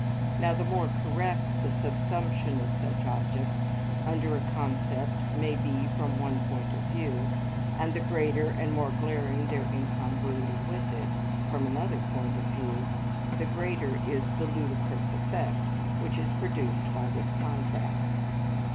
Now the more correct the subsumption of such objects under a concept may be from one point of view, and the greater and more glaring their incongruity with it, from another point of view, the greater is the ludicrous effect which is produced by this contrast.